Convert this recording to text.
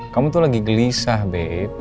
kamu tuh lagi gelisah be